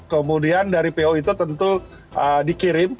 kemudian dari po itu tentu dikirim